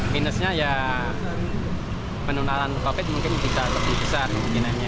penasnya ya penuntalan covid mungkin bisa lebih besar mungkin hanya